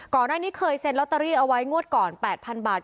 ก่อนหน้านี้เคยเซ็นลอตเตอรี่เอาไว้งวดก่อน๘๐๐๐บาท